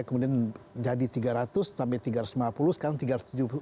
kemudian jadi tiga ratus sampai tiga ratus lima puluh sekarang tiga ratus tujuh puluh